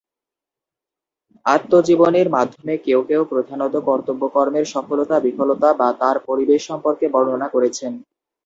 আত্মজীবনীর মাধ্যমে কেউ কেউ প্রধানত কর্তব্যকর্মের সফলতা, বিফলতা বা তার পরিবেশ সম্পর্কে বর্ণনা করেছেন।